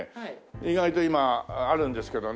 意外と今あるんですけどね。